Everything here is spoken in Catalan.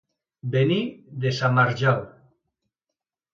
Venir de sa Marjal.